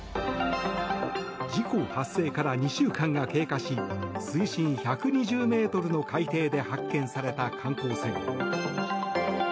事故発生から２週間が経過し水深１２０ｍの海底で発見された観光船。